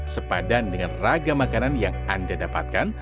sepadan dengan raga makanan yang anda dapatkan